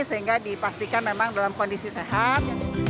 sehingga dipastikan memang dalam kondisi sehat